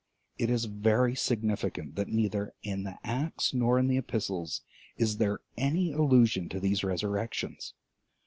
It is very significant that neither in the Acts nor in the Epistles is there any allusion to these resurrections.